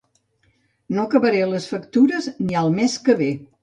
No acabaré les factures ni el mes que ve